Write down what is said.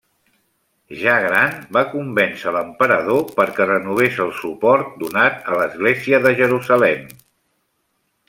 Ja gran, va convèncer l'emperador perquè renovés el suport donat a l'Església de Jerusalem.